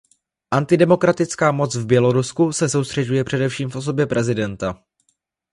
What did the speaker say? Antidemokratická moc v Bělorusku se soustřeďuje především v osobě prezidenta.